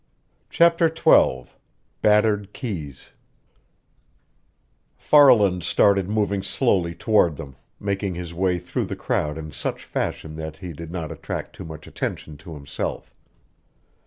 CHAPTER XII BATTERED KEYS Farland started moving slowly toward them, making his way through the crowd in such fashion that he did not attract too much attention to himself.